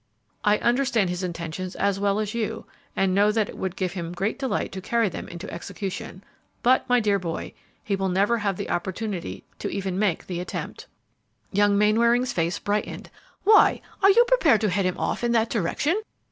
"I understand his intentions as well as you, and know that it would give him great delight to carry them into execution; but, my dear boy, he will never have the opportunity to even make the attempt." Young Mainwaring's face brightened. "Why, are you prepared to head him off in that direction?